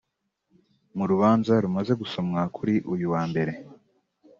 mu rubanza rumaze gusomwa kuri uyu wa mbere